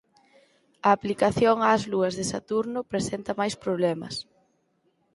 A aplicación ás lúas de Saturno presenta máis problemas.